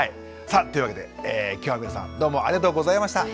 さあというわけで今日は皆さんどうもありがとうございました。